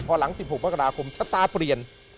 พอหลัง๑๖มกราคมชะตาเปลี่ยน